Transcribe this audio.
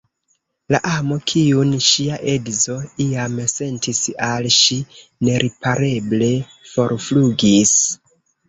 La amo, kiun ŝia edzo iam sentis al ŝi, neripareble forflugis.